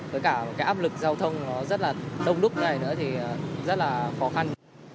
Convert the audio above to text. với cả cái áp lực giao thông nó rất là đông đúc này nữa thì rất là khó khăn